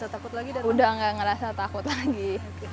sudah tidak merasa takut lagi